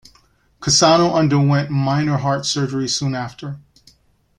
Cassano underwent minor heart surgery soon after.